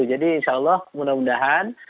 insya allah mudah mudahan